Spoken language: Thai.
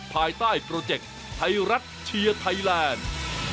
ภายใต้โปรเจคไทยรัฐเชียร์ไทยแลนด์